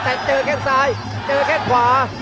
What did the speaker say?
แต่เจอแค่งซ้ายเจอแค่งขวา